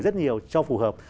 rất nhiều cho phù hợp